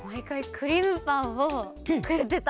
クリームパンをくれてた。